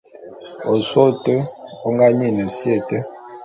Osôé ôte ô ngá nyin si été.